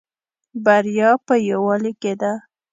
بریا په یوالی کې ده